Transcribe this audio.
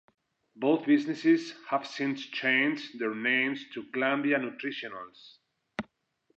Both businesses have since changed their names to Glanbia Nutritionals.